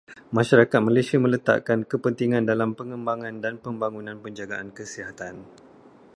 Masyarakat Malaysia meletakkan kepentingan dalam pengembangan dan pembangunan penjagaan kesihatan.